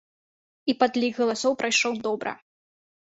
І падлік галасоў прайшоў добра.